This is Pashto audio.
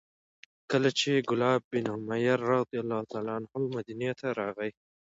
کله چې کلاب بن امیة رضي الله عنه مدینې ته راغی،